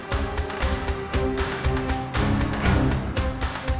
kalau kamu takut pulang aja